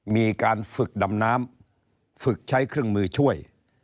มีการฝึกดำน้ำฝึกใช้เครื่องมือช่วย